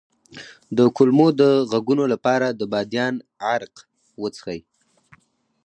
د کولمو د غږونو لپاره د بادیان عرق وڅښئ